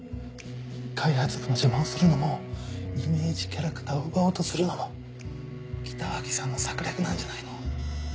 開発部の邪魔をするのもイメージキャラクターを奪おうとするのも北脇さんの策略なんじゃないの？